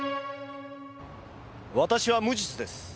私は無実です。